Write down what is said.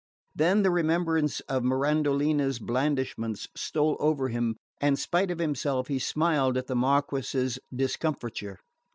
Then the remembrance of Mirandolina's blandishments stole over him and spite of himself he smiled at the Marquess's discomfiture.